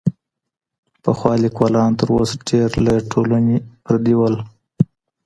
پخوا ليکوالان تر اوس ډېر له ټولني پردي وو.